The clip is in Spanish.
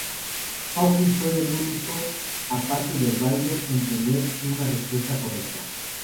Hawkins fue el único, aparte de Ryder, en tener una respuesta "correcta".